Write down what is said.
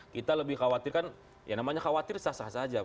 kita lebih khawatirkan ya namanya khawatir sah sah saja